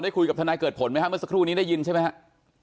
คุยกับทนายเกิดผลไหมครับเมื่อสักครู่นี้ได้ยินใช่ไหมครับ